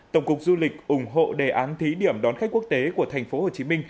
tổng cục du lịch ủng hộ đề án thí điểm đón khách quốc tế của tp hcm